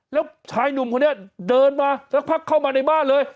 แล้วชายหนุ่มคนนี้เดินมาสักพักเข้ามาในบ้านเลย